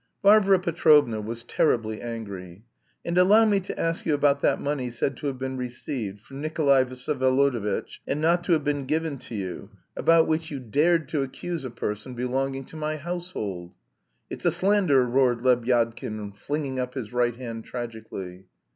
Varvara Petrovna was terribly angry. "And allow me to ask you about that money said to have been received from Nikolay Vsyevolodovitch, and not to have been given to you, about which you dared to accuse a person belonging to my household." "It's a slander!" roared Lebyadkin, flinging up his right hand tragically.